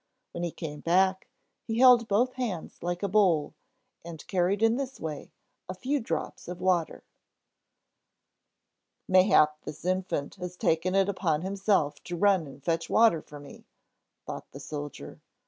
When he came back, he held both hands like a bowl, and carried in this way a few drops of water. "Mayhap this infant has taken it upon himself to run and fetch water for me," thought the soldier.